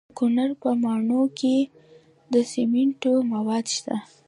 د کونړ په ماڼوګي کې د سمنټو مواد شته.